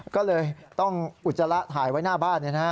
ก็เลยต้องอุจจาระถ่ายไว้หน้าบ้าน